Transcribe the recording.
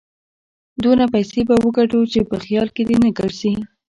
دونه پيسې به وګټو چې په خيال کې دې نه ګرځي.